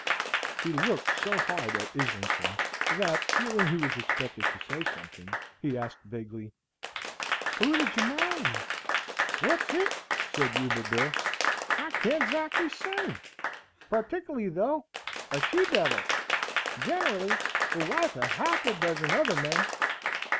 He looked so hard at Islington, that, feeling he was expected to say something, he asked vaguely, "Who did you marry?" "Thet's it!" said Yuba Bill; "I can't ezactly say; partikly, though, a she devil! generally, the wife of half a dozen other men."